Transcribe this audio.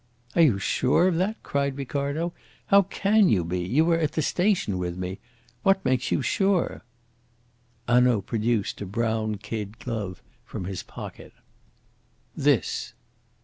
"Are you sure of that?" cried Ricardo. "How can you be? You were at the station with me. What makes you sure?" Hanaud produced a brown kid glove from his pocket. "This."